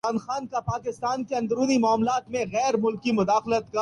Computer genius تھے۔